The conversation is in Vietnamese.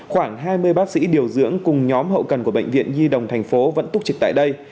khoảng hai mươi bác sĩ điều dưỡng cùng nhóm hậu cần của bệnh viện nhi đồng tp hcm vẫn túc trực tại đây